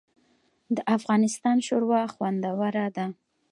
د افغانستان شوروا خوندوره ده